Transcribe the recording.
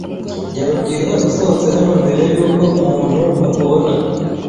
Byaba byiza usohotse hano mbere yuko umuntu akubona.